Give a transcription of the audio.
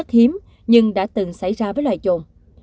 nó rất hiếm nhưng đã từng xảy ra với loài trộn